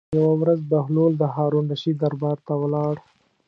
یوه ورځ بهلول د هارون الرشید دربار ته ولاړ.